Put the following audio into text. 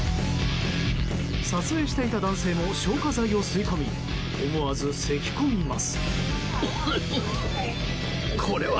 撮影していた男性も消火剤を吸い込み思わず、せき込みます。